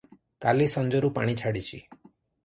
କାଲି ସଞ୍ଜରୁ ପାଣି ଛାଡ଼ିଛି ।